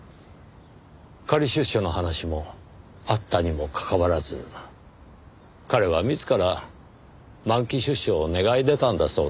仮出所の話もあったにもかかわらず彼は自ら満期出所を願い出たんだそうです。